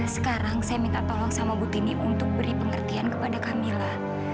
sekarang saya minta tolong sama bu tini untuk beri pengertian kepada kamila